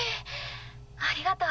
ありがとう。